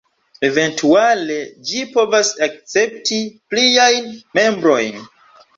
Eventuale ĝi povas akcepti pliajn membrojn.